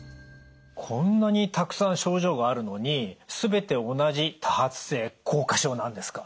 こんなにたくさん症状があるのに全て同じ多発性硬化症なんですか？